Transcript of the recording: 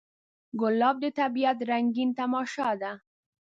ګلاب د طبیعت رنګین تماشه ده.